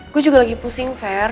gue juga lagi pusing fair